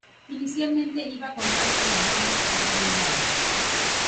Inicialmente iba a contar con al menos cuatro unidades.